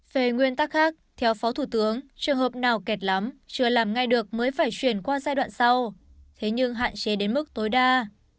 về nguyên tắc khác theo phó thủ tướng trường hợp nào kẹt lắm chưa làm ngay được mới phải chuyển qua giai đoạn sau thế nhưng hạn chế đến mức tối đa